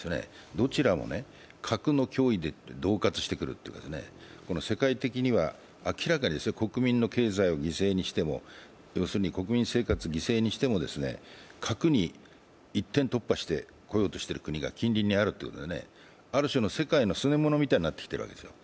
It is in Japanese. どちらも核の脅威でどう喝してくるというか、世界的には明らかに国民の経済を犠牲にしても国民生活を犠牲にしても核に一点突破してこようとしてくる国が近隣にあるということで、ある種の世界のすね者みたいになってきているわけですよ。